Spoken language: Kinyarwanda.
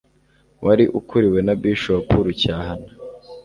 wari ukuriwe na Bishop Rucyahana